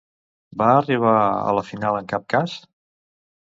Va arribar a la final en cap cas?